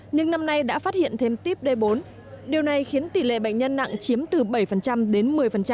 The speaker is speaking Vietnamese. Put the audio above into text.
nhưng năm nay đã phát hiện thêm típ d bốn điều này khiến tỷ lệ bệnh nhân nặng chiếm từ bảy đến một mươi